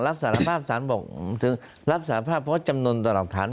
รับสารภาพสารบอกถึงรับสารภาพเพราะจำนวนต่อหลักฐาน